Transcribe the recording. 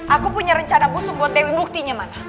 aku punya rencana busuk buat dewi buktinya mana